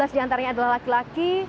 dua belas diantaranya adalah laki laki